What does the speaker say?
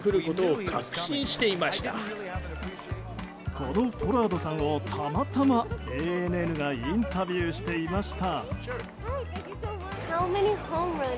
このポラードさんをたまたまＡＮＮがインタビューしていました。